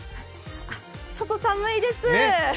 ちょっと寒いです。